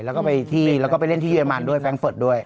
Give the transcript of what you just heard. แล้วก็ไปที่แล้วก็ไปเล่นที่เรมันด้วยแฟรงเฟิร์ตด้วย